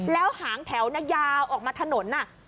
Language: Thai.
แล้วหางแถวน่ะยาวออกมาถนนน่ะ